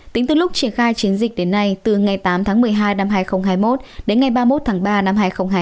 tính từ lúc triển khai chiến dịch đến nay từ ngày tám tháng một mươi hai năm hai nghìn hai mươi một đến ngày ba mươi một tháng ba năm hai nghìn hai mươi hai